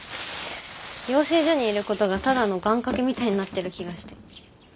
養成所にいることがただの願かけみたいになってる気がして。